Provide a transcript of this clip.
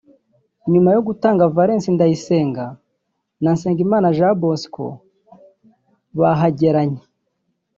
nyuma yo gutanga Valens Ndayisenga na Nsengimana Jean Bosco bahageranye